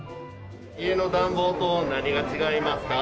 家の暖房と何が違いますか？